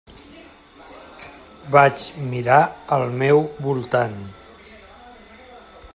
Vaig mirar al meu voltant.